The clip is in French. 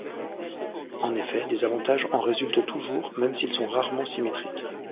En effet, des avantages en résultent toujours, même s'ils sont rarement symétriques.